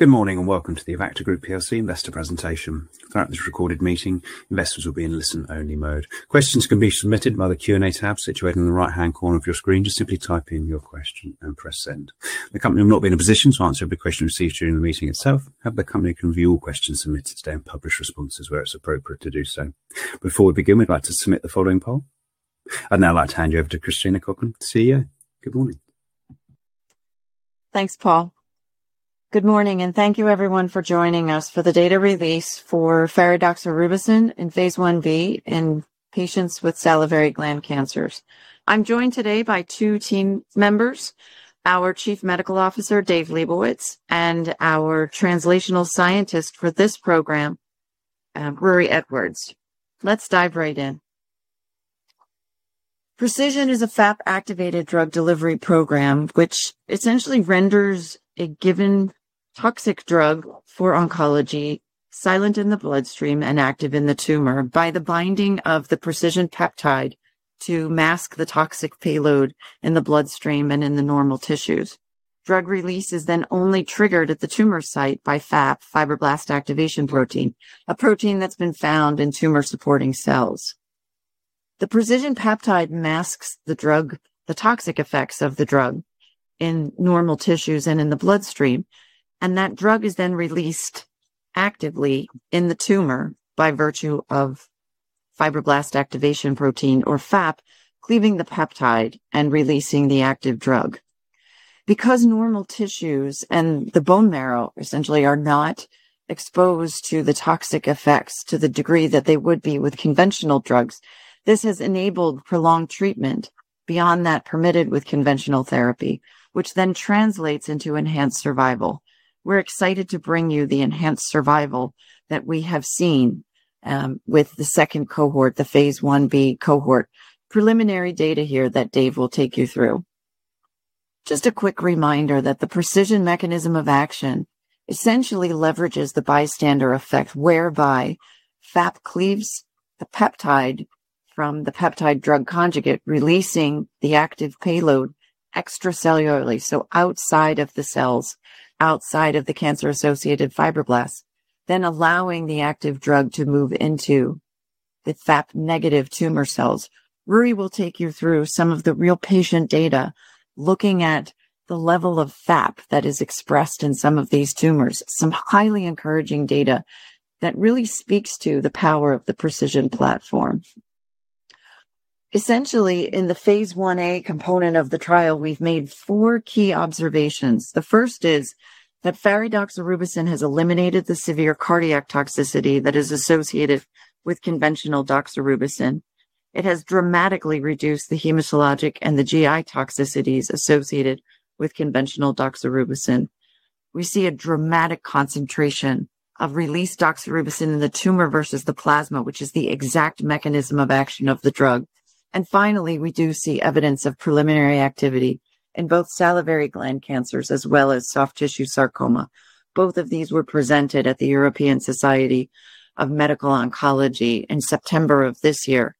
Good morning and welcome to the Avacta Group PLC Investor Presentation. Throughout this recorded meeting, investors will be in listen-only mode. Questions can be submitted by the Q&A tab situated in the right-hand corner of your screen. Just simply type in your question and press send. The company will not be in a position to answer every question received during the meeting itself, and the company can view all questions submitted today and publish responses where it's appropriate to do so. Before we begin, we'd like to submit the following poll. I'd now like to hand you over to Christina Coughlin, CEO. Good morning. Thanks, Paul. Good morning, and thank you, everyone, for joining us for the data release for AVA6000 in Phase 1B in patients with salivary gland cancers. I'm joined today by two team members: our Chief Medical Officer, David Liebowitz, and our translational scientist for this program, Ruairidh Edwards. Let's dive right in. preCISION is a FAP-activated drug delivery program, which essentially renders a given toxic drug for oncology silent in the bloodstream and active in the tumor by the binding of the preCISION peptide to mask the toxic payload in the bloodstream and in the normal tissues. Drug release is then only triggered at the tumor site by FAP, fibroblast activation protein, a protein that's been found in tumor-supporting cells. The preCISION peptide masks the toxic effects of the drug in normal tissues and in the bloodstream, and that drug is then released actively in the tumor by virtue of Fibroblast Activation Protein, or FAP, cleaving the peptide and releasing the active drug. Because normal tissues and the bone marrow essentially are not exposed to the toxic effects to the degree that they would be with conventional drugs, this has enabled prolonged treatment beyond that permitted with conventional therapy, which then translates into enhanced survival. We're excited to bring you the enhanced survival that we have seen with the second cohort, the Phase 1B cohort. Preliminary data here that Dave will take you through. Just a quick reminder that the preCISION mechanism of action essentially leverages the bystander effect, whereby FAP cleaves the peptide from the peptide drug conjugate, releasing the active payload extracellularly, so outside of the cells, outside of the cancer-associated fibroblasts, then allowing the active drug to move into the FAP-negative tumor cells. Ruairidh will take you through some of the real patient data, looking at the level of FAP that is expressed in some of these tumors, some highly encouraging data that really speaks to the power of the preCISION platform. Essentially, in the Phase 1A component of the trial, we've made four key observations. The first is that AVA6000 has eliminated the severe cardiac toxicity that is associated with conventional doxorubicin. It has dramatically reduced the hematologic and the GI toxicities associated with conventional doxorubicin. We see a dramatic concentration of released doxorubicin in the tumor versus the plasma, which is the exact mechanism of action of the drug. And finally, we do see evidence of preliminary activity in both salivary gland cancers as well as soft tissue sarcoma. Both of these were presented at the European Society for Medical Oncology in September of this year.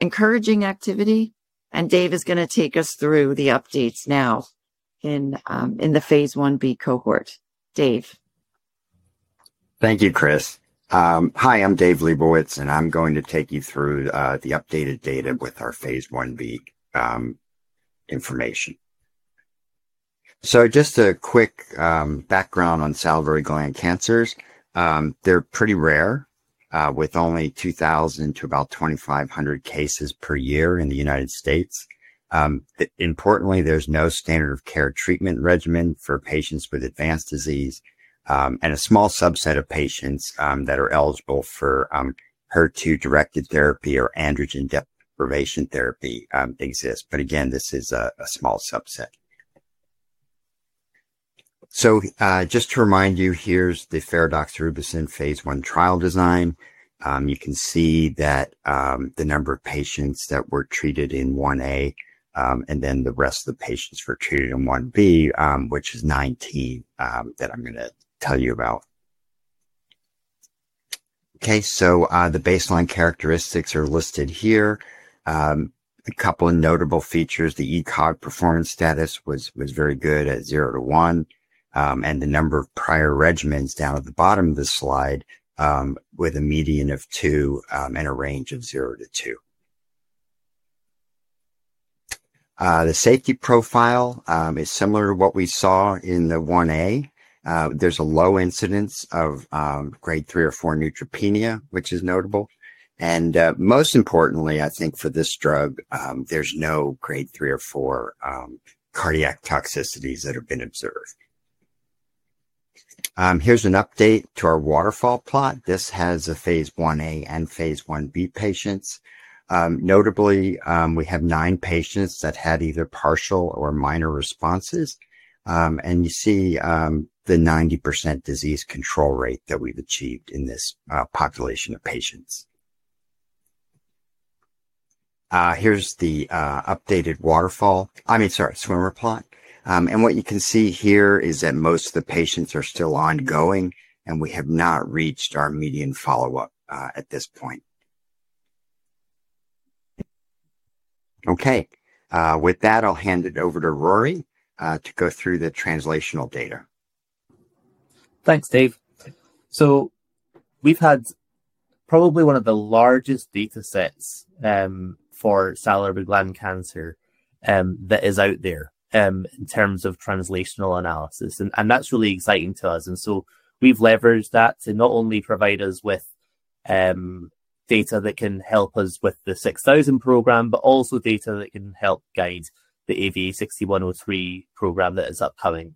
Encouraging activity, and Dave is going to take us through the updates now in the Phase 1B cohort. David. Thank you, Chris. Hi, I'm David Liebowitz, and I'm going to take you through the updated data with our Phase 1B information. So just a quick background on salivary gland cancers. They're pretty rare, with only 2,000 to about 2,500 cases per year in the United States. Importantly, there's no standard of care treatment regimen for patients with advanced disease, and a small subset of patients that are eligible for HER2-directed therapy or androgen deprivation therapy exists. But again, this is a small subset. So just to remind you, here's the AVA6000 Phase 1 trial design. You can see that the number of patients that were treated in 1A and then the rest of the patients were treated in 1B, which is 19 that I'm going to tell you about. Okay, so the baseline characteristics are listed here. A couple of notable features: the ECOG performance status was very good at zero to one, and the number of prior regimens down at the bottom of the slide with a median of two and a range of zero to two. The safety profile is similar to what we saw in the Phase 1A. There's a low incidence of Grade 3 or 4 neutropenia, which is notable. Most importantly, I think for this drug, there's no Grade 3 or 4 cardiac toxicities that have been observed. Here's an update to our waterfall plot. This has Phase 1A and Phase 1B patients. Notably, we have nine patients that had either partial or minor responses, and you see the 90% disease control rate that we've achieved in this population of patients. Here's the updated waterfall—I mean, sorry, swimmer plot. And what you can see here is that most of the patients are still ongoing, and we have not reached our median follow-up at this point. Okay, with that, I'll hand it over to Ruairidh to go through the translational data. Thanks, David. So we've had probably one of the largest datasets for salivary gland cancer that is out there in terms of translational analysis, and that's really exciting to us. And so we've leveraged that to not only provide us with data that can help us with the AVA6000 program, but also data that can help guide the AVA6103 program that is upcoming.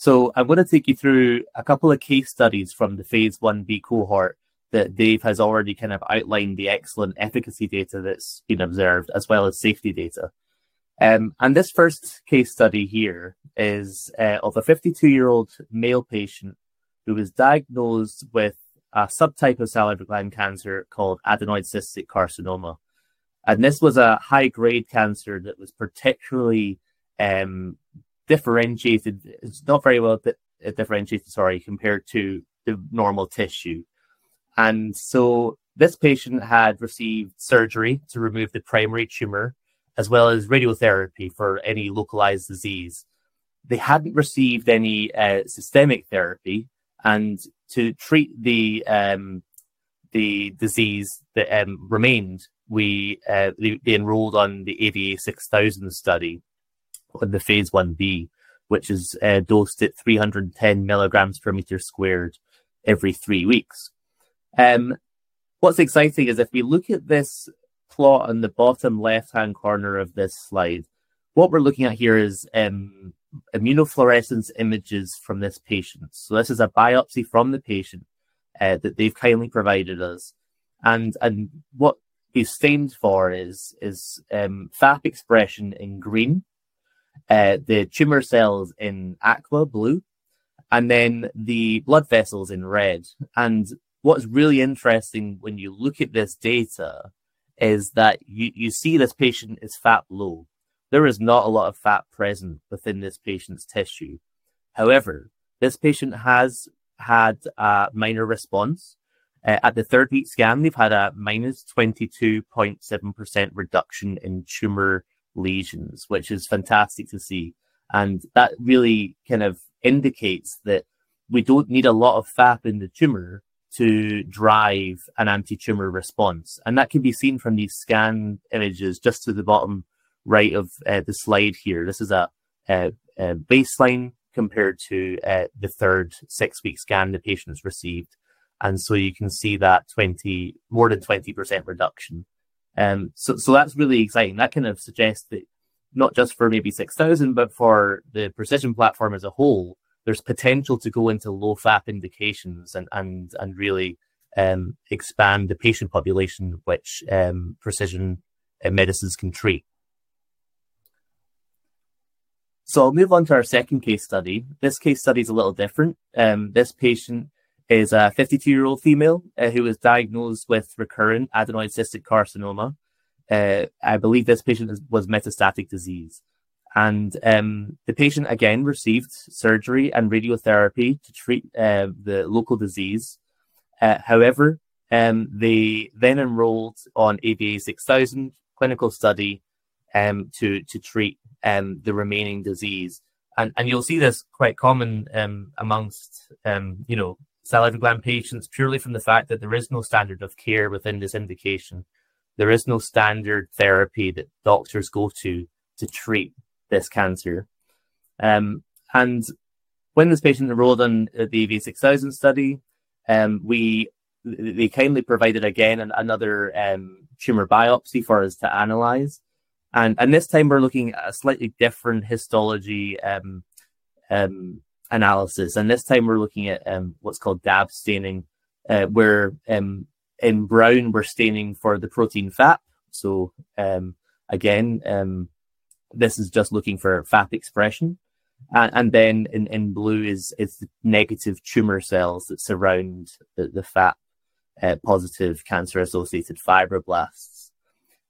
So I want to take you through a couple of case studies from the Phase 1B cohort that Dave has already kind of outlined the excellent efficacy data that's been observed, as well as safety data. And this first case study here is of a 52-year-old male patient who was diagnosed with a subtype of salivary gland cancer called adenoid cystic carcinoma. And this was a high-grade cancer that was particularly differentiated, it's not very well differentiated, sorry, compared to the normal tissue. And so this patient had received surgery to remove the primary tumor, as well as radiotherapy for any localized disease. They hadn't received any systemic therapy, and to treat the disease that remained, they enrolled on the AVA6000 study in the Phase 1B, which is dosed at 310 milligrams per meter squared every three weeks. What's exciting is if we look at this plot on the bottom left-hand corner of this slide, what we're looking at here is immunofluorescence images from this patient. So this is a biopsy from the patient that they've kindly provided us. And what we've stained for is FAP expression in green, the tumor cells in aqua blue, and then the blood vessels in red. And what's really interesting when you look at this data is that you see this patient is FAP low. There is not a lot of FAP present within this patient's tissue. However, this patient has had a minor response. At the third week scan, we've had a minus 22.7% reduction in tumor lesions, which is fantastic to see. And that really kind of indicates that we don't need a lot of FAP in the tumor to drive an anti-tumor response. And that can be seen from these scan images just to the bottom right of the slide here. This is a baseline compared to the third six-week scan the patient has received. And so you can see that more than 20% reduction. So that's really exciting. That kind of suggests that not just for AVA6000, but for the precision platform as a whole, there's potential to go into low FAP indications and really expand the patient population which precision medicines can treat. I'll move on to our second case study. This case study is a little different. This patient is a 52-year-old female who was diagnosed with recurrent Adenoid Cystic Carcinoma. I believe this patient had metastatic disease. The patient, again, received surgery and radiotherapy to treat the local disease. However, they then enrolled on AVA6000 clinical study to treat the remaining disease. You'll see this quite common among salivary gland patients purely from the fact that there is no standard of care within this indication. There is no standard therapy that doctors go to to treat this cancer. When this patient enrolled on the AVA6000 study, they kindly provided again another tumor biopsy for us to analyze. This time, we're looking at a slightly different histology analysis. And this time, we're looking at what's called DAB staining, where, in brown, we're staining for the protein FAP. So again, this is just looking for FAP expression. And then, in blue, is the negative tumor cells that surround the FAP-positive cancer-associated fibroblasts.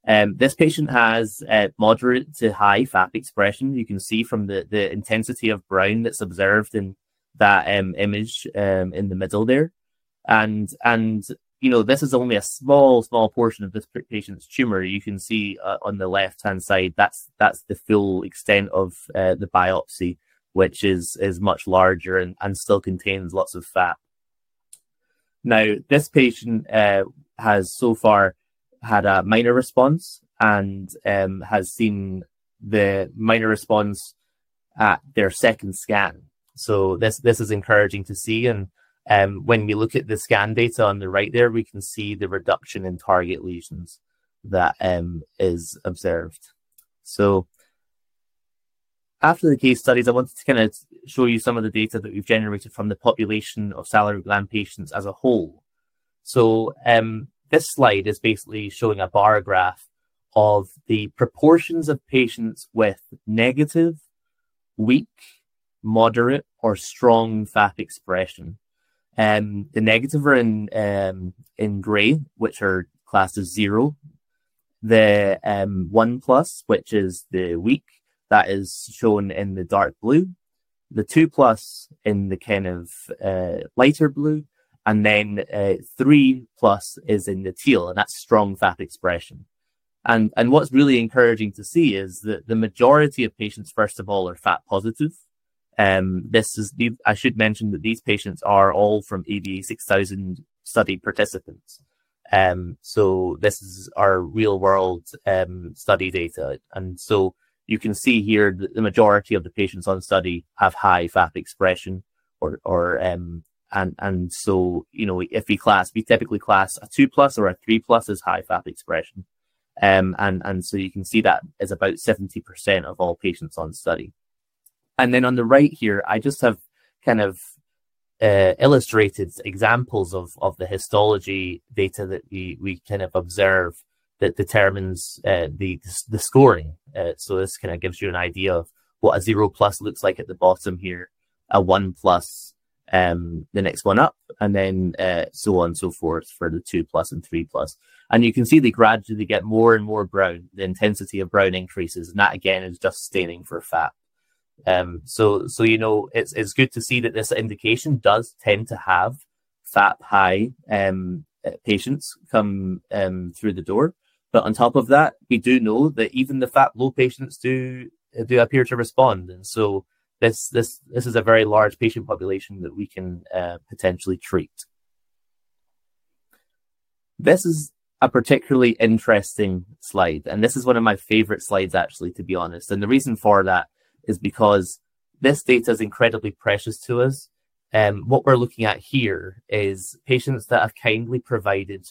This patient has moderate to high FAP expression. You can see from the intensity of brown that's observed in that image in the middle there. And this is only a small, small portion of this patient's tumor. You can see on the left-hand side, that's the full extent of the biopsy, which is much larger and still contains lots of FAP. Now, this patient has so far had a minor response and has seen the minor response at their second scan. So this is encouraging to see. When we look at the scan data on the right there, we can see the reduction in target lesions that is observed. After the case studies, I wanted to kind of show you some of the data that we've generated from the population of salivary gland patients as a whole. This slide is basically showing a bar graph of the proportions of patients with negative, weak, moderate, or strong FAP expression. The negative are in gray, which are classed as 0. The 1 plus, which is the weak, that is shown in the dark blue. The 2 plus in the kind of lighter blue. Then 3 plus is in the teal, and that's strong FAP expression. What's really encouraging to see is that the majority of patients, first of all, are FAP-positive. I should mention that these patients are all from AVA6000 study participants. This is our real-world study data. You can see here that the majority of the patients on study have high FAP expression. If we class, we typically class a 2 plus or a 3 plus as high FAP expression. You can see that is about 70% of all patients on study. On the right here, I just have kind of illustrated examples of the histology data that we kind of observe that determines the scoring. This kind of gives you an idea of what a 0 plus looks like at the bottom here, a 1 plus, the next one up, and then so on and so forth for the 2 plus and 3 plus. You can see they gradually get more and more brown. The intensity of brown increases, and that again is just staining for FAP. It's good to see that this indication does tend to have FAP high patients come through the door. On top of that, we do know that even the FAP low patients do appear to respond. This is a very large patient population that we can potentially treat. This is a particularly interesting slide, and this is one of my favorite slides, actually, to be honest. The reason for that is because this data is incredibly precious to us. What we're looking at here is patients that have kindly provided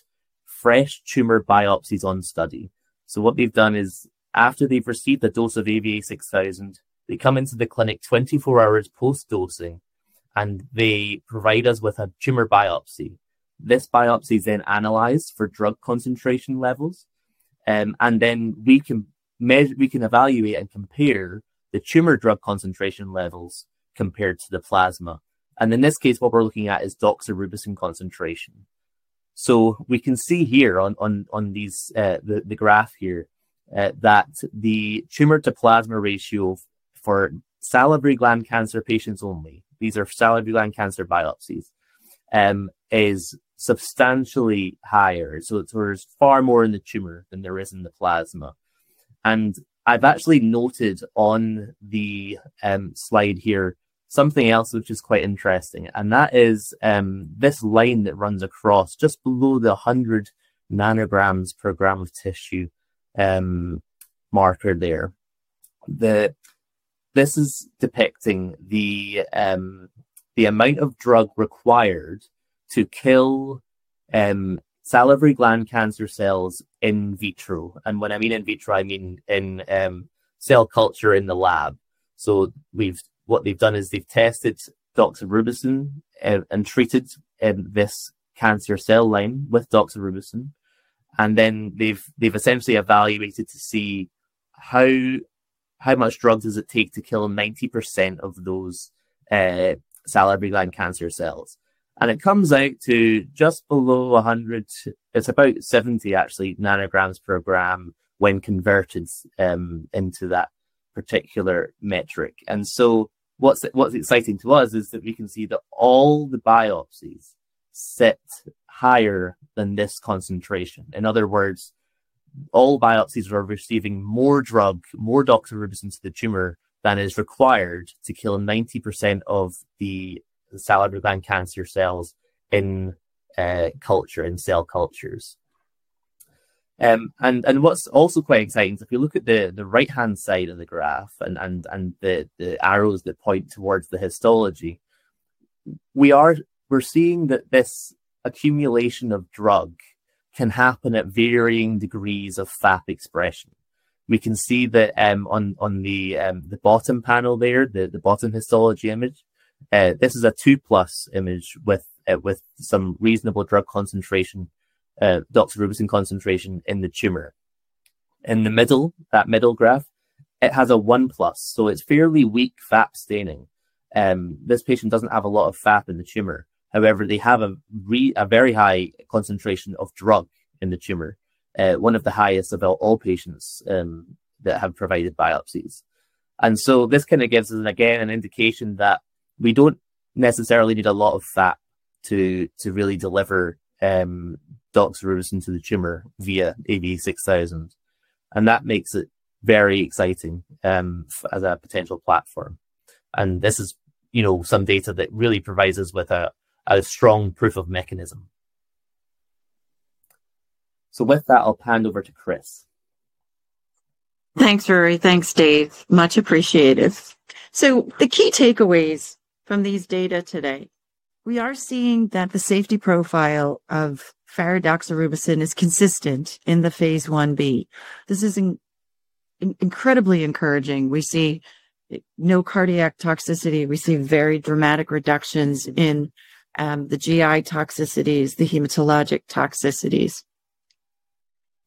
fresh tumor biopsies on study. What they've done is after they've received the dose of AVA6000, they come into the clinic 24 hours post-dosing, and they provide us with a tumor biopsy. This biopsy is then analyzed for drug concentration levels, and then we can evaluate and compare the tumor drug concentration levels compared to the plasma. And in this case, what we're looking at is doxorubicin concentration. So we can see here on the graph that the tumor-to-plasma ratio for salivary gland cancer patients only, these are salivary gland cancer biopsies, is substantially higher. So there's far more in the tumor than there is in the plasma. And I've actually noted on the slide here something else which is quite interesting, and that is this line that runs across just below the 100 nanograms per gram of tissue marker there. This is depicting the amount of drug required to kill salivary gland cancer cells in vitro. And when I mean in vitro, I mean in cell culture in the lab. What they've done is they've tested doxorubicin and treated this cancer cell line with doxorubicin. Then they've essentially evaluated to see how much drug does it take to kill 90% of those salivary gland cancer cells. It comes out to just below 100. It's about 70, actually, nanograms per gram when converted into that particular metric. What's exciting to us is that we can see that all the biopsies sit higher than this concentration. In other words, all biopsies are receiving more drug, more doxorubicin to the tumor than is required to kill 90% of the salivary gland cancer cells in culture, in cell cultures. What's also quite exciting is if you look at the right-hand side of the graph and the arrows that point towards the histology, we're seeing that this accumulation of drug can happen at varying degrees of FAP expression. We can see that on the bottom panel there, the bottom histology image. This is a 2 plus image with some reasonable drug concentration, doxorubicin concentration in the tumor. In the middle, that middle graph, it has a 1 plus. So it's fairly weak FAP staining. This patient doesn't have a lot of FAP in the tumor. However, they have a very high concentration of drug in the tumor, one of the highest of all patients that have provided biopsies. And so this kind of gives us, again, an indication that we don't necessarily need a lot of FAP to really deliver doxorubicin to the tumor via AVA6000. And that makes it very exciting as a potential platform. And this is some data that really provides us with a strong proof of mechanism. So with that, I'll hand over to Chris. Thanks, Ruairidh. Thanks, Dave. Much appreciated. So the key takeaways from these data today, we are seeing that the safety profile of AVA6000 is consistent in the Phase 1B. This is incredibly encouraging. We see no cardiac toxicity. We see very dramatic reductions in the GI toxicities, the hematologic toxicities.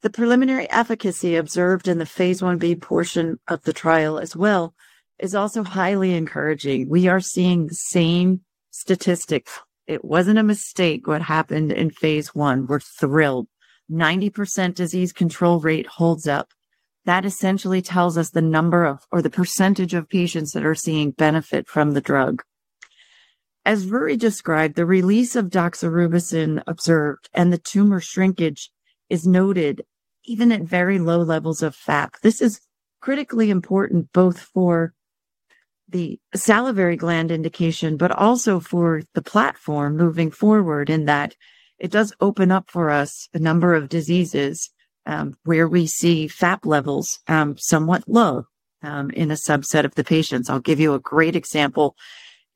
The preliminary efficacy observed in the Phase 1B portion of the trial as well is also highly encouraging. We are seeing the same statistics. It wasn't a mistake what happened in phase 1. We're thrilled. 90% disease control rate holds up. That essentially tells us the number of or the percentage of patients that are seeing benefit from the drug. As Ruairidh described, the release of doxorubicin observed and the tumor shrinkage is noted even at very low levels of FAP. This is critically important both for the salivary gland indication, but also for the platform moving forward in that it does open up for us a number of diseases where we see FAP levels somewhat low in a subset of the patients. I'll give you a great example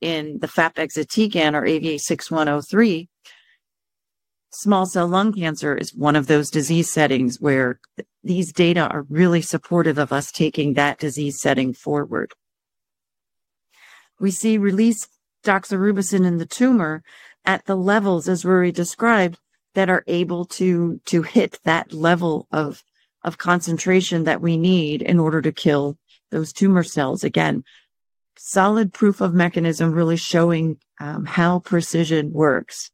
in the FAP exatecan or AVA6103. Small cell lung cancer is one of those disease settings where these data are really supportive of us taking that disease setting forward. We see released doxorubicin in the tumor at the levels, as Ruairidh described, that are able to hit that level of concentration that we need in order to kill those tumor cells. Again, solid proof of mechanism really showing how preCISION works.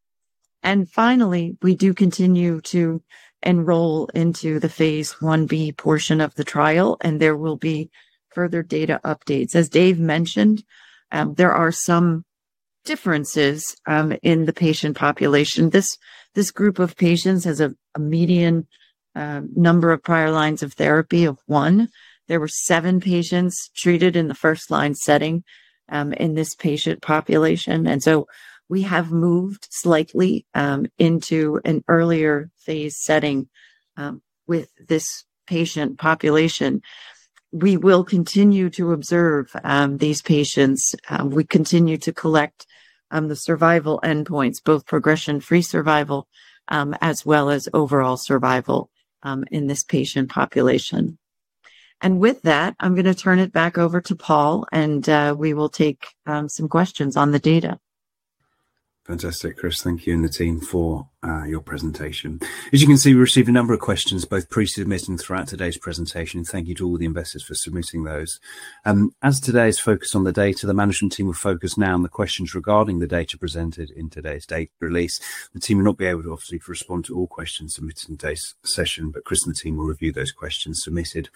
Finally, we do continue to enroll into the Phase 1B portion of the trial, and there will be further data updates. As Dave mentioned, there are some differences in the patient population. This group of patients has a median number of prior lines of therapy of one. There were seven patients treated in the first line setting in this patient population. And so we have moved slightly into an earlier phase setting with this patient population. We will continue to observe these patients. We continue to collect the survival endpoints, both progression-free survival as well as overall survival in this patient population. And with that, I'm going to turn it back over to Paul, and we will take some questions on the data. Fantastic, Chris. Thank you and the team for your presentation. As you can see, we received a number of questions both pre-submitted and throughout today's presentation. Thank you to all the investors for submitting those. As today is focused on the data, the management team will focus now on the questions regarding the data presented in today's data release. The team will not be able to, obviously, respond to all questions submitted in today's session, but Chris and the team will review those questions submitted.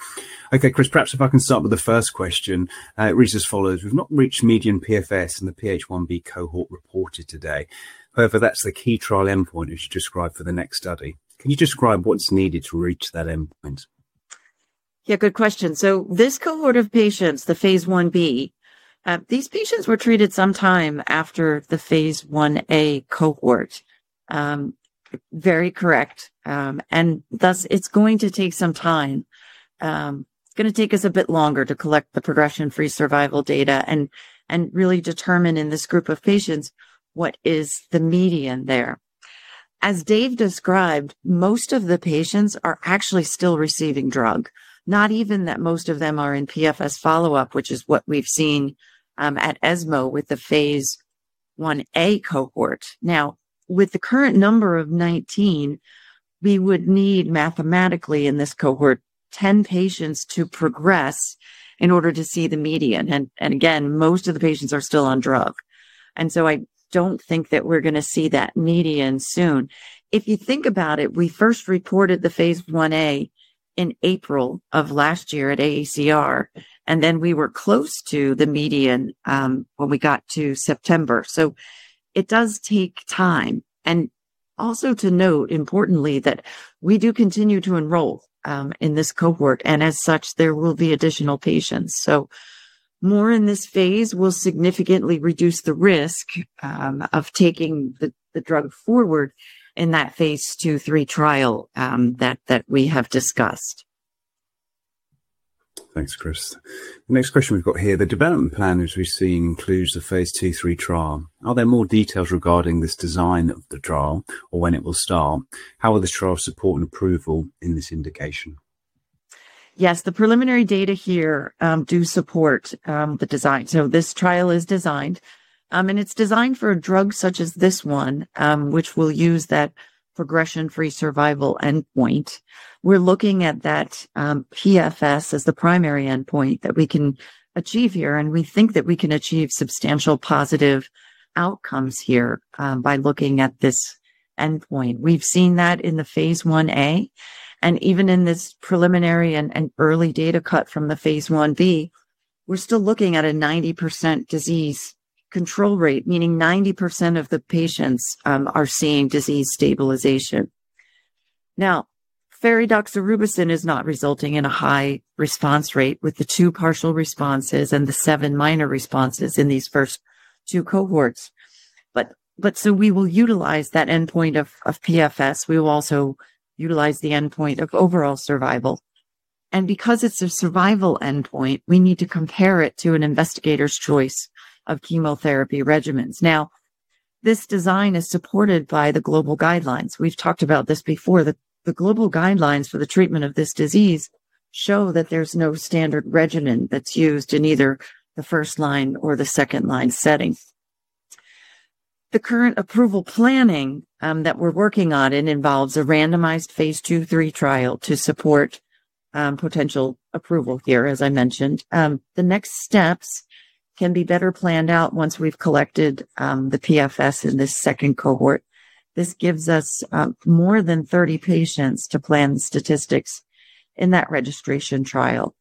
Okay, Chris, perhaps if I can start with the first question, it reads as follows. We've not reached median PFS in the Phase 1B cohort reported today. However, that's the key trial endpoint which you described for the next study. Can you describe what's needed to reach that endpoint? Yeah, good question. So this cohort of patients, the Phase 1B, these patients were treated sometime after the Phase 1A cohort. Very correct. And thus, it's going to take some time. It's going to take us a bit longer to collect the progression-free survival data and really determine in this group of patients what is the median there. As David described, most of the patients are actually still receiving drug, not even that most of them are in PFS follow-up, which is what we've seen at ESMO with the Phase 1A cohort. Now, with the current number of 19, we would need mathematically in this cohort 10 patients to progress in order to see the median. And again, most of the patients are still on drug. And so I don't think that we're going to see that median soon. If you think about it, we first reported the Phase 1A in April of last year at AACR, and then we were close to the median when we got to September. So it does take time. And also to note, importantly, that we do continue to enroll in this cohort, and as such, there will be additional patients. So more in this phase will significantly reduce the risk of taking the drug forward in that phase 2, 3 trial that we have discussed. Thanks, Chris. The next question we've got here, the development plan, as we see, includes the Phase 2/3 trial. Are there more details regarding this design of the trial or when it will start? How will this trial support an approval in this indication? Yes, the preliminary data here do support the design, so this trial is designed, and it's designed for a drug such as this one, which will use that progression-free survival endpoint. We're looking at that PFS as the primary endpoint that we can achieve here, and we think that we can achieve substantial positive outcomes here by looking at this endpoint. We've seen that in the Phase 1A, and even in this preliminary and early data cut from the Phase 1B, we're still looking at a 90% disease control rate, meaning 90% of the patients are seeing disease stabilization. Now, AVA6000 is not resulting in a high response rate with the two partial responses and the seven minor responses in these first two cohorts, but so we will utilize that endpoint of PFS. We will also utilize the endpoint of overall survival. Because it's a survival endpoint, we need to compare it to an investigator's choice of chemotherapy regimens. Now, this design is supported by the global guidelines. We've talked about this before. The global guidelines for the treatment of this disease show that there's no standard regimen that's used in either the first line or the second line setting. The current approval planning that we're working on involves a randomized Phase 2/3 trial to support potential approval here, as I mentioned. The next steps can be better planned out once we've collected the PFS in this second cohort. This gives us more than 30 patients to plan the statistics in that registration trial.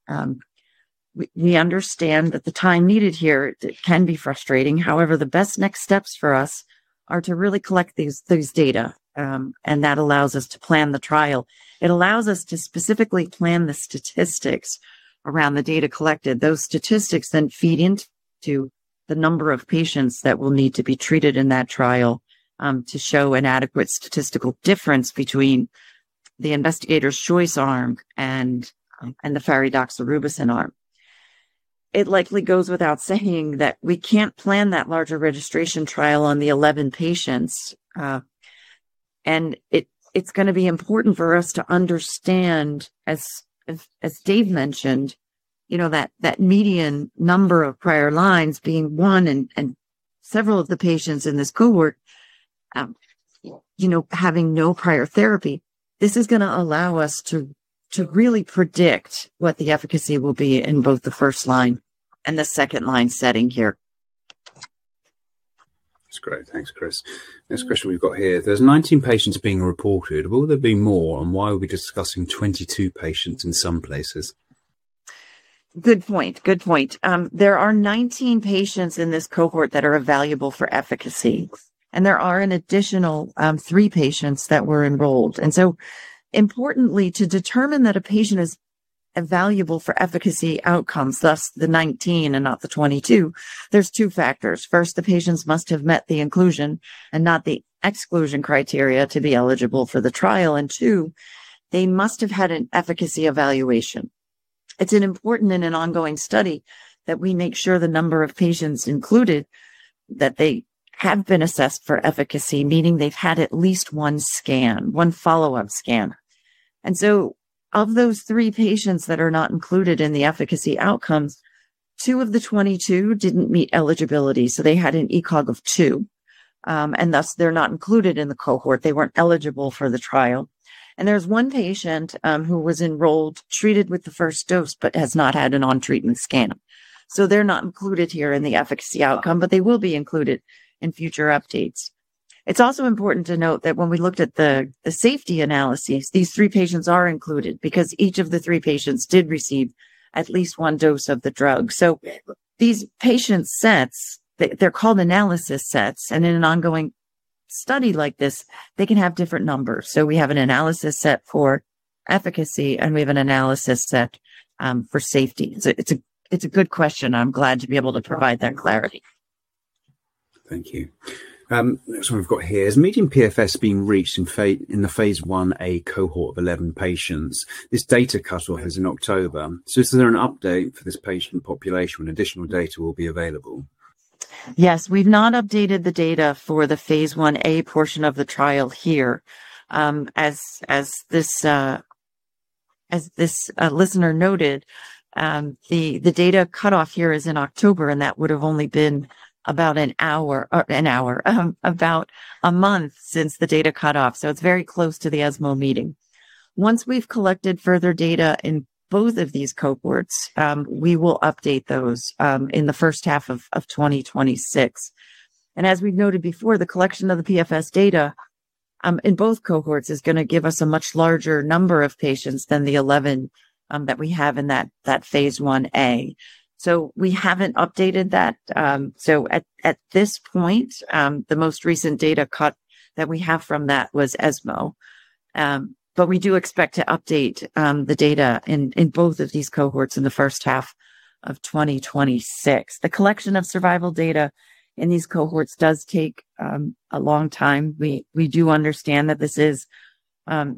We understand that the time needed here can be frustrating. However, the best next steps for us are to really collect this data, and that allows us to plan the trial. It allows us to specifically plan the statistics around the data collected. Those statistics then feed into the number of patients that will need to be treated in that trial to show an adequate statistical difference between the investigator's choice arm and the FAP doxorubicin arm. It likely goes without saying that we can't plan that larger registration trial on the 11 patients. And it's going to be important for us to understand, as Dave mentioned, that median number of prior lines being one and several of the patients in this cohort having no prior therapy. This is going to allow us to really predict what the efficacy will be in both the first line and the second line setting here. That's great. Thanks, Chris. Next question we've got here. There's 19 patients being reported. Will there be more, and why are we discussing 22 patients in some places? Good point. Good point. There are 19 patients in this cohort that are available for efficacy, and there are an additional three patients that were enrolled. And so importantly, to determine that a patient is available for efficacy outcomes, thus the 19 and not the 22, there's two factors. First, the patients must have met the inclusion and not the exclusion criteria to be eligible for the trial. And two, they must have had an efficacy evaluation. It's important in an ongoing study that we make sure the number of patients included that they have been assessed for efficacy, meaning they've had at least one scan, one follow-up scan. And so of those three patients that are not included in the efficacy outcomes, two of the 22 didn't meet eligibility. So they had an ECOG of two, and thus they're not included in the cohort. They weren't eligible for the trial, and there's one patient who was enrolled, treated with the first dose, but has not had an on-treatment scan, so they're not included here in the efficacy outcome, but they will be included in future updates. It's also important to note that when we looked at the safety analyses, these three patients are included because each of the three patients did receive at least one dose of the drug, so these patient sets, they're called analysis sets, and in an ongoing study like this, they can have different numbers, so we have an analysis set for efficacy, and we have an analysis set for safety. It's a good question. I'm glad to be able to provide that clarity. Thank you. Next one we've got here is, median PFS being reached in the Phase 1A cohort of 11 patients. This data cut will happen in October. So is there an update for this patient population when additional data will be available? Yes, we've not updated the data for the Phase 1A portion of the trial here. As this listener noted, the data cut-off here is in October, and that would have only been about an hour, about a month since the data cut-off. So it's very close to the ESMO meeting. Once we've collected further data in both of these cohorts, we will update those in the first half of 2026. And as we've noted before, the collection of the PFS data in both cohorts is going to give us a much larger number of patients than the 11 that we have in that Phase 1A. So we haven't updated that. So at this point, the most recent data cut that we have from that was ESMO, but we do expect to update the data in both of these cohorts in the first half of 2026. The collection of survival data in these cohorts does take a long time. We do understand that this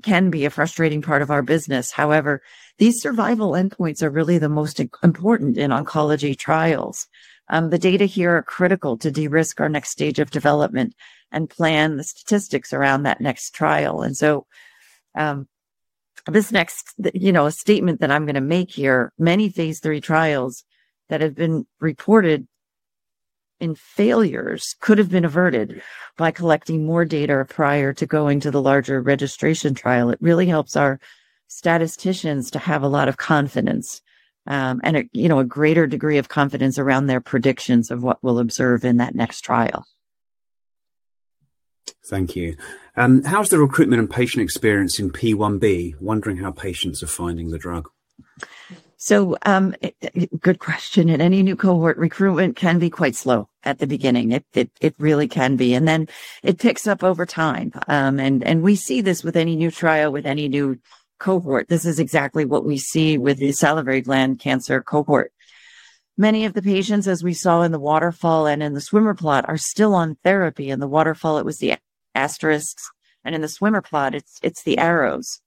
can be a frustrating part of our business. However, these survival endpoints are really the most important in oncology trials. The data here are critical to de-risk our next stage of development and plan the statistics around that next trial. And so, this next statement that I'm going to make here: many phase 3 trials that have been reported in failures could have been averted by collecting more data prior to going to the larger registration trial. It really helps our statisticians to have a lot of confidence and a greater degree of confidence around their predictions of what we'll observe in that next trial. Thank you. How's the recruitment and patient experience in P1B? Wondering how patients are finding the drug. So good question. In any new cohort, recruitment can be quite slow at the beginning. It really can be. And then it picks up over time. And we see this with any new trial, with any new cohort. This is exactly what we see with the salivary gland cancer cohort. Many of the patients, as we saw in the waterfall and in the swimmer plot, are still on therapy. In the waterfall, it was the asterisks, and in the swimmer plot, it's the arrows.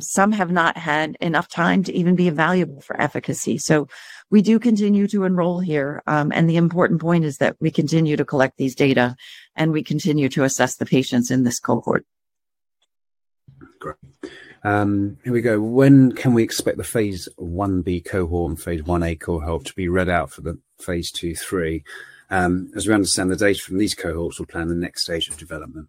Some have not had enough time to even be evaluable for efficacy. So we do continue to enroll here, and the important point is that we continue to collect these data, and we continue to assess the patients in this cohort. Here we go. When can we expect the Phase 1B cohort and Phase 1A cohort to be read out for the Phase 2/3? As we understand the data from these cohorts, we'll plan the next stage of development.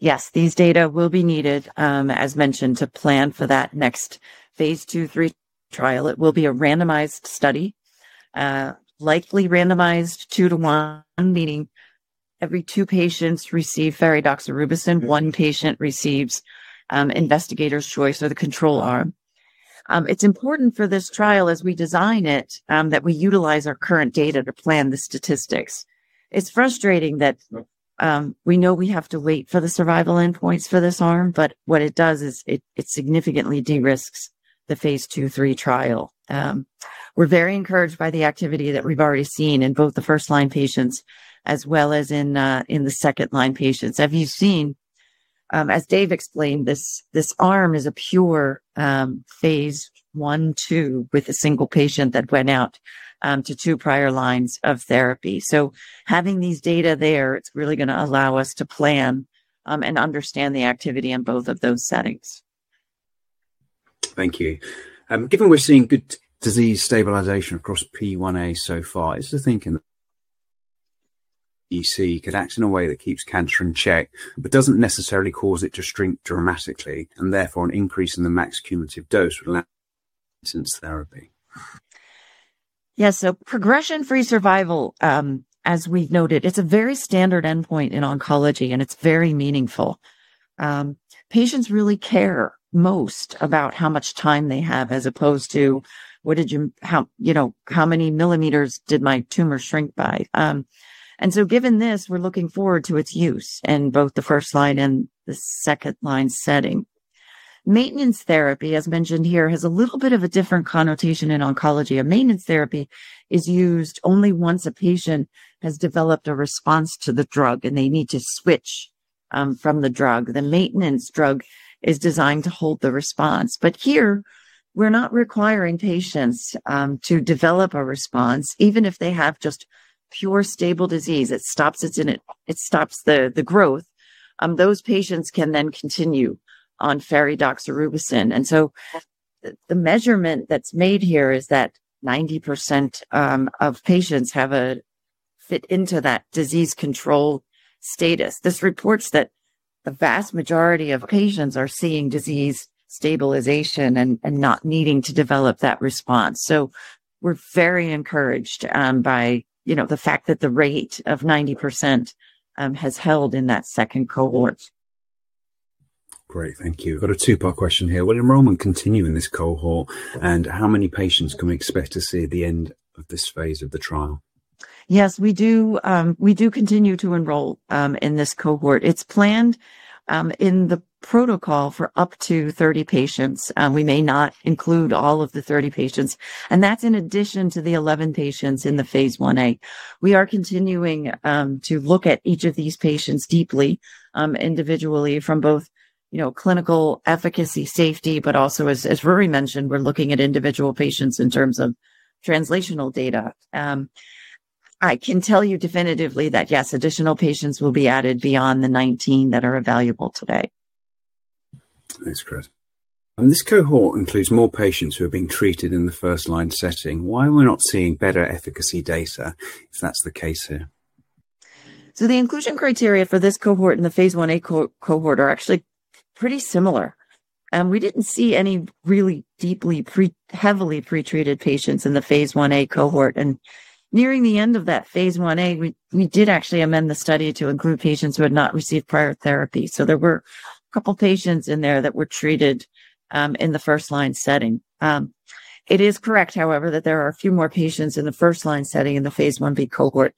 Yes, these data will be needed, as mentioned, to plan for that next Phase 2/3 trial. It will be a randomized study, likely randomized two to one, meaning every two patients receive AVA6000, one patient receives investigator's choice or the control arm. It's important for this trial, as we design it, that we utilize our current data to plan the statistics. It's frustrating that we know we have to wait for the survival endpoints for this arm, but what it does is it significantly de-risks the Phase 2/3 trial. We're very encouraged by the activity that we've already seen in both the first-line patients as well as in the second-line patients. As Dave explained, this arm is a pure Phase 1/2 with a single patient that went out to two prior lines of therapy. So having these data there, it's really going to allow us to plan and understand the activity in both of those settings. Thank you. Given we're seeing good disease stabilization across P1A so far, is the thinking that you see could act in a way that keeps cancer in check but doesn't necessarily cause it to shrink dramatically and therefore an increase in the max cumulative dose would allow for maintenance therapy? Yes, so progression-free survival, as we've noted, it's a very standard endpoint in oncology, and it's very meaningful. Patients really care most about how much time they have as opposed to how many millimeters did my tumor shrink by. And so given this, we're looking forward to its use in both the first line and the second line setting. Maintenance therapy, as mentioned here, has a little bit of a different connotation in oncology. A maintenance therapy is used only once a patient has developed a response to the drug, and they need to switch from the drug. The maintenance drug is designed to hold the response. But here, we're not requiring patients to develop a response. Even if they have just pure stable disease, it stops the growth. Those patients can then continue on FAP doxorubicin. And so the measurement that's made here is that 90% of patients fit into that disease control status. This reports that the vast majority of patients are seeing disease stabilization and not needing to develop that response. So we're very encouraged by the fact that the rate of 90% has held in that second cohort. Great. Thank you. We've got a two-part question here. Will enrollment continue in this cohort, and how many patients can we expect to see at the end of this phase of the trial? Yes, we do continue to enroll in this cohort. It's planned in the protocol for up to 30 patients. We may not include all of the 30 patients, and that's in addition to the 11 patients in the Phase 1A. We are continuing to look at each of these patients deeply, individually, from both clinical efficacy, safety, but also, as Ruairidh mentioned, we're looking at individual patients in terms of translational data. I can tell you definitively that, yes, additional patients will be added beyond the 19 that are available today. Thanks, Chris. This cohort includes more patients who have been treated in the first line setting. Why are we not seeing better efficacy data if that's the case here? The inclusion criteria for this cohort and the Phase 1A cohort are actually pretty similar. We didn't see any really deeply, heavily pretreated patients in the Phase 1A cohort. Nearing the end of that Phase 1A, we did actually amend the study to include patients who had not received prior therapy. There were a couple of patients in there that were treated in the first line setting. It is correct, however, that there are a few more patients in the first line setting in the Phase 1B cohort.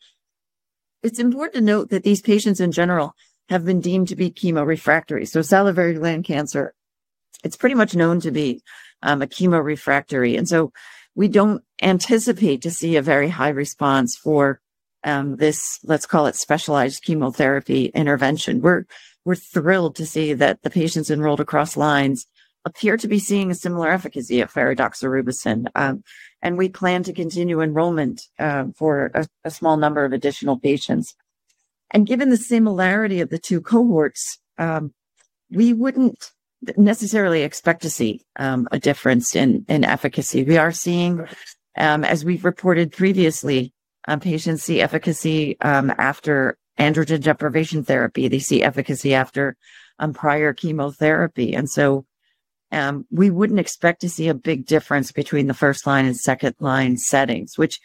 It's important to note that these patients in general have been deemed to be chemorefractory. Salivary gland cancer, it's pretty much known to be a chemorefractory. We don't anticipate to see a very high response for this, let's call it specialized chemotherapy intervention. We're thrilled to see that the patients enrolled across lines appear to be seeing a similar efficacy of AVA6000. And we plan to continue enrollment for a small number of additional patients. And given the similarity of the two cohorts, we wouldn't necessarily expect to see a difference in efficacy. We are seeing, as we've reported previously, patients see efficacy after androgen deprivation therapy. They see efficacy after prior chemotherapy. And so we wouldn't expect to see a big difference between the first line and second line settings, which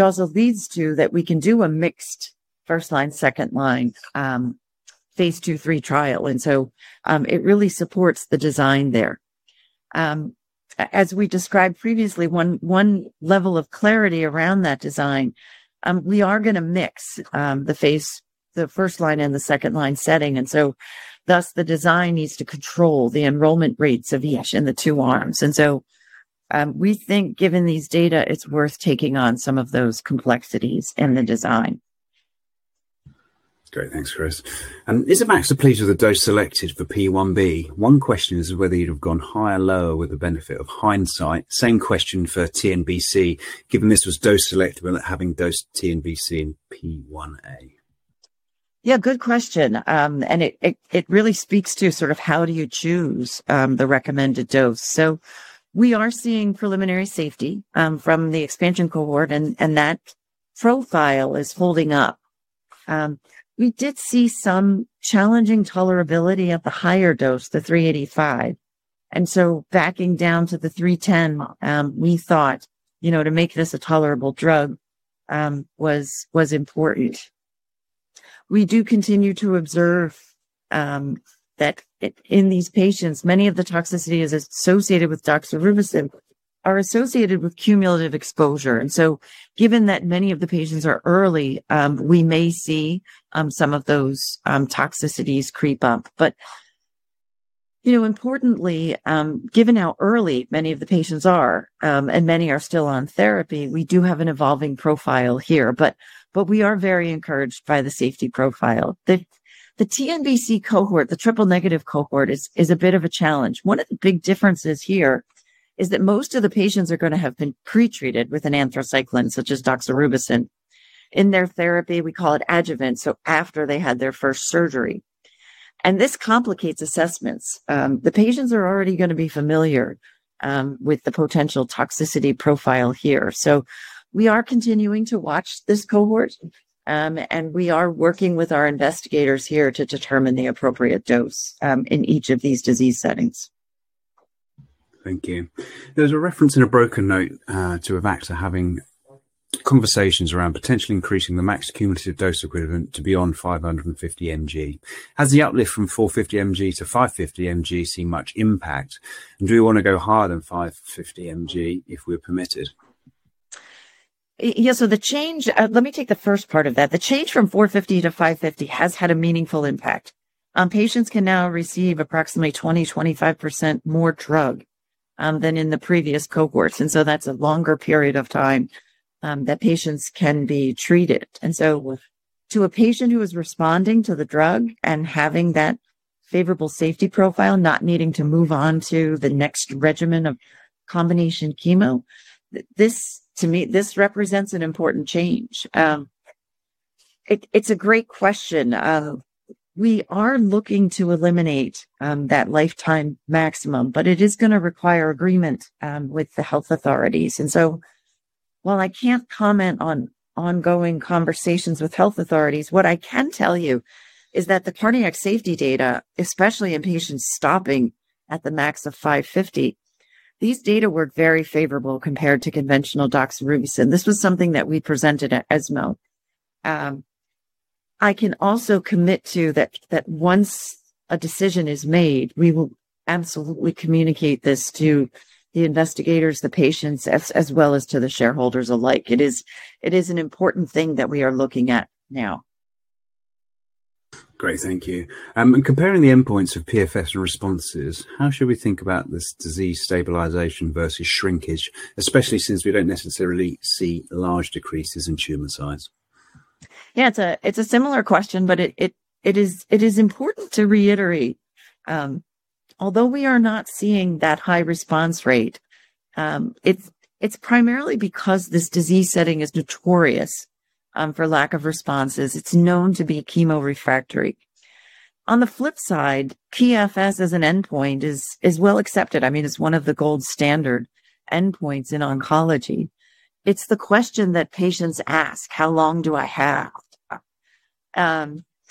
also leads to that we can do a mixed first line, second line Phase 2/3 trial. And so it really supports the design there. As we described previously, one level of clarity around that design, we are going to mix the first line and the second line setting. And so thus, the design needs to control the enrollment rates of each in the two arms. And so we think, given these data, it's worth taking on some of those complexities in the design. Great. Thanks, Chris. Is it max depletive of the dose selected for P1B? One question is whether you'd have gone higher or lower with the benefit of hindsight. Same question for TNBC, given this was dose selection and having dosed TNBC in P1A. Yeah, good question. And it really speaks to sort of how do you choose the recommended dose. So we are seeing preliminary safety from the expansion cohort, and that profile is holding up. We did see some challenging tolerability at the higher dose, the 385. And so backing down to the 310, we thought to make this a tolerable drug was important. We do continue to observe that in these patients, many of the toxicities associated with doxorubicin are associated with cumulative exposure. And so given that many of the patients are early, we may see some of those toxicities creep up. But importantly, given how early many of the patients are and many are still on therapy, we do have an evolving profile here, but we are very encouraged by the safety profile. The TNBC cohort, the triple negative cohort, is a bit of a challenge. One of the big differences here is that most of the patients are going to have been pretreated with an anthracycline such as doxorubicin. In their therapy, we call it adjuvant, so after they had their first surgery, and this complicates assessments. The patients are already going to be familiar with the potential toxicity profile here, so we are continuing to watch this cohort, and we are working with our investigators here to determine the appropriate dose in each of these disease settings. Thank you. There's a reference in a broker note to Avacta having conversations around potentially increasing the max cumulative dose equivalent to beyond 550 mg. Has the uplift from 450 mg to 550 mg seen much impact? And do we want to go higher than 550 mg if we're permitted? Yes. So let me take the first part of that. The change from 450 to 550 has had a meaningful impact. Patients can now receive approximately 20%-25% more drug than in the previous cohorts. And so that's a longer period of time that patients can be treated. And so to a patient who is responding to the drug and having that favorable safety profile, not needing to move on to the next regimen of combination chemo, to me, this represents an important change. It's a great question. We are looking to eliminate that lifetime maximum, but it is going to require agreement with the health authorities. And so while I can't comment on ongoing conversations with health authorities, what I can tell you is that the cardiac safety data, especially in patients stopping at the max of 550, these data were very favorable compared to conventional doxorubicin. This was something that we presented at ESMO. I can also commit to that once a decision is made, we will absolutely communicate this to the investigators, the patients, as well as to the shareholders alike. It is an important thing that we are looking at now. Great. Thank you. And comparing the endpoints of PFS and responses, how should we think about this disease stabilization versus shrinkage, especially since we don't necessarily see large decreases in tumor size? Yeah, it's a similar question, but it is important to reiterate. Although we are not seeing that high response rate, it's primarily because this disease setting is notorious for lack of responses. It's known to be chemorefractory. On the flip side, PFS as an endpoint is well accepted. I mean, it's one of the gold standard endpoints in oncology. It's the question that patients ask, "How long do I have?"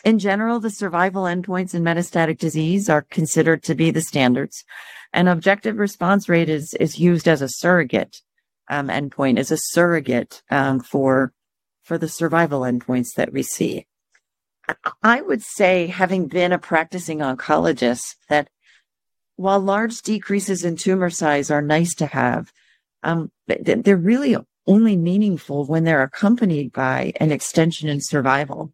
In general, the survival endpoints in metastatic disease are considered to be the standards, and objective response rate is used as a surrogate endpoint for the survival endpoints that we see. I would say, having been a practicing oncologist, that while large decreases in tumor size are nice to have, they're really only meaningful when they're accompanied by an extension in survival.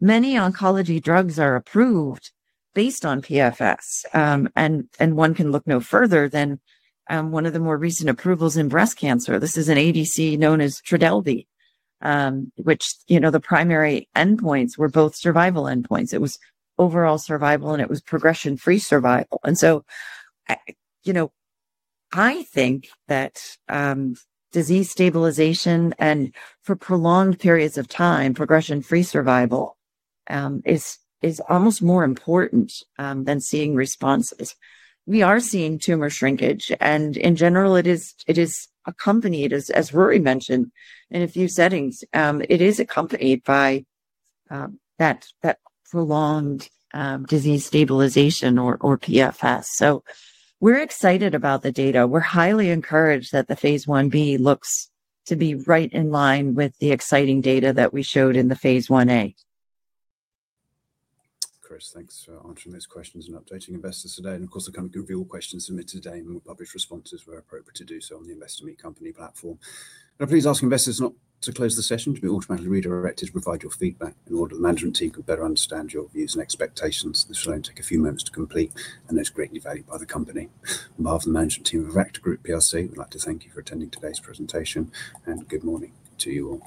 Many oncology drugs are approved based on PFS, and one can look no further than one of the more recent approvals in breast cancer. This is an ADC known as Trodelvy, which the primary endpoints were both survival endpoints. It was overall survival, and it was progression-free survival, and so I think that disease stabilization and for prolonged periods of time, progression-free survival is almost more important than seeing responses. We are seeing tumor shrinkage, and in general, it is accompanied, as Ruairidh mentioned in a few settings, it is accompanied by that prolonged disease stabilization or PFS, so we're excited about the data. We're highly encouraged that the Phase 1B looks to be right in line with the exciting data that we showed in the Phase 1A. Chris, thanks for answering those questions and updating investors today, and of course, I'm going to give you all questions submitted today, and we'll publish responses where appropriate to do so on the Investor Meet Company platform. Now, please ask investors not to close the session. It will be automatically redirected to provide your feedback in order that the management team could better understand your views and expectations. This will only take a few moments to complete, and it's greatly valued by the company. On behalf of the management team of Avacta Group PLC, we'd like to thank you for attending today's presentation, and good morning to you all.